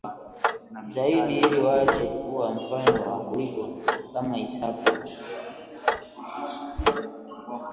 zaidi ili waje kuwa mfano wa kuigwa kama Isaka